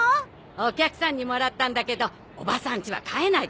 お客さんにもらったんだけどおばさんちは飼えないからさ。